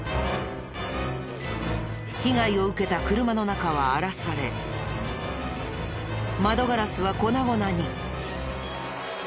被害を受けた車の中は荒らされ窓ガラスは粉々に。